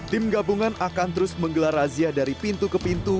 tim gabungan akan terus menggelar razia dari pintu ke pintu